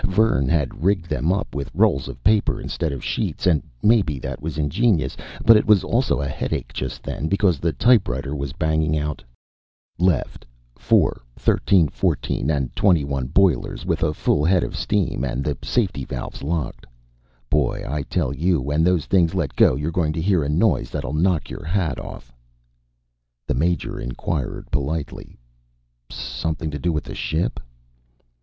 Vern had rigged them up with rolls of paper instead of sheets, and maybe that was ingenious, but it was also a headache just then. Because the typewriter was banging out: LEFT FOUR THIRTEEN FOURTEEN AND TWENTYONE BOILERS WITH A FULL HEAD OF STEAM AND THE SAFETY VALVES LOCKED BOY I TELL YOU WHEN THOSE THINGS LET GO YOURE GOING TO HEAR A NOISE THATLL KNOCK YOUR HAT OFF The Major inquired politely: "Something to do with the ship?"